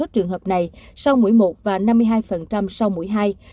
trường hợp này sau mũi một và năm mươi hai sau mũi hai